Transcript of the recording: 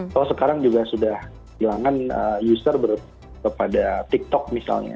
kalau sekarang juga sudah kehilangan user kepada tiktok misalnya